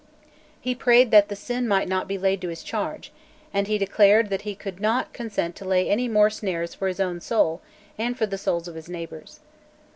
He prayed that the sin might not be laid to his charge; and he declared that he could not consent to lay any more snares for his own soul and for the souls of his neighbours.